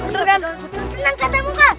tenang kata muka